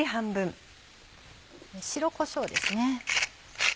白こしょうですね。